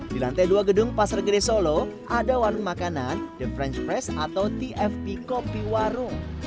di lantai dua gedung pasar gede solo ada warung makanan the franch press atau tfp kopi warung